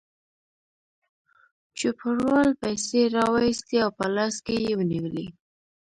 چوپړوال پیسې راوایستې او په لاس کې یې ونیولې.